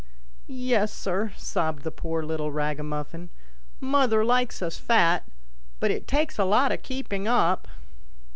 "Yes, sir," sobbed the poor little ragamuffin, " mother likes us fat ; but it takes a lot of keeping up."